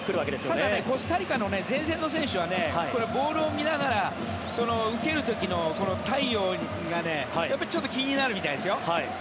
ただコスタリカの前線の選手はボールを見ながら受ける時の太陽がちょっと気になるみたいですよ。